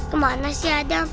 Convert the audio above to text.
kemana sih adem